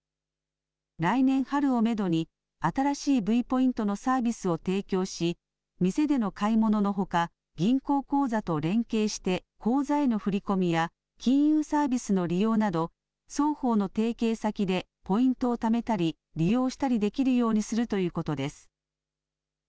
来年春をめどに新しいＶポイントのサービスを提供し店での買い物のほか銀行口座と連携して口座への振り込みや金融サービスの利用など双方の提携先でポイントをためたり利用したりできるようにするということです。